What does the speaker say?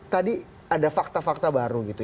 tadi ada fakta fakta baru gitu